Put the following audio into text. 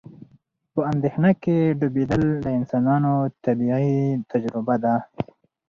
په اندېښنه کې ډوبېدل د انسانانو طبیعي تجربه ده.